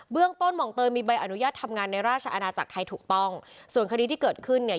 ต้นห่องเตยมีใบอนุญาตทำงานในราชอาณาจักรไทยถูกต้องส่วนคดีที่เกิดขึ้นเนี่ย